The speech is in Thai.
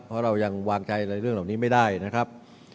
เพราะเรายังวางใจอะไรเรื่องเหล่านี้ไม่ได้นะครับ